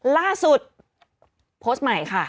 ล่าสุดโพสต์ใหม่ค่ะ